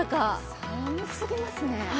寒すぎますね。